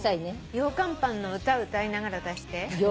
ようかんパンの歌歌いながら出して。